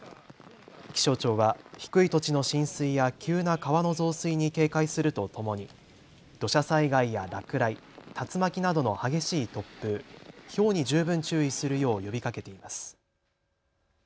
気象庁は低い土地の浸水や急な川の増水に警戒するとともに土砂災害や落雷、竜巻などの激しい突風、ひょうに十分注意するよう呼びかけています。